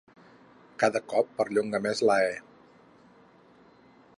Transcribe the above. Cada cop perllonga més la e.